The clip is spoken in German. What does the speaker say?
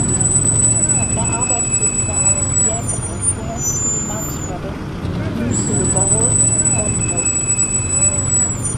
Er arbeitete wieder als Gag-Autor für die Marx Brothers, Lucille Ball und Bob Hope.